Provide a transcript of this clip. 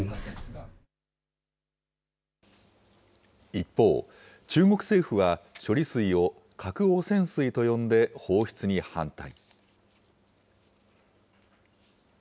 一方、中国政府は、処理水を、核汚染水と呼んで放出に反対。